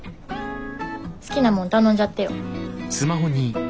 好きなもん頼んじゃってよ。